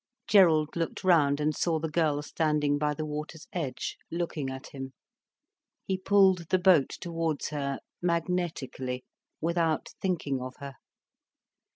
Gerald looked round and saw the girl standing by the water's edge, looking at him. He pulled the boat towards her, magnetically, without thinking of her.